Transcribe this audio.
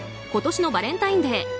今年のバレンタインデー